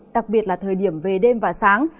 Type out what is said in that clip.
đặc biệt là thời điểm về đêm và sáng